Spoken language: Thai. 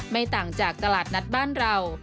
ไม่ต่างจากตลาดนัดบ้านเรา